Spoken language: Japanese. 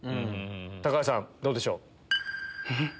橋さんどうでしょう？